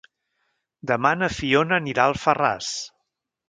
Demà na Fiona anirà a Alfarràs.